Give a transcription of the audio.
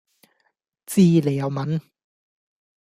知你又問?